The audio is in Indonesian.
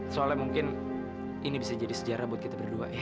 soalnya mungkin ini bisa jadi sejarah buat kita berdua ya